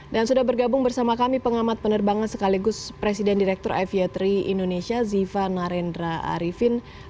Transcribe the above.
dan sudah bergabung bersama kami pengamat penerbangan sekaligus presiden direktur aviatory indonesia ziva narendra arifin